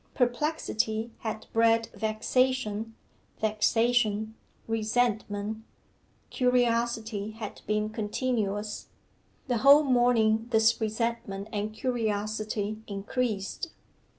Perplexity had bred vexation; vexation, resentment; curiosity had been continuous. The whole morning this resentment and curiosity increased.